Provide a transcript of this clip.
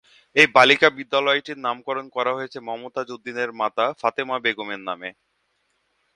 এই বালিকা বিদ্যালয়টির নামকরন করা হয়েছে মমতাজ উদ্দিনের মাতা ফাতেমা বেগমের নামে।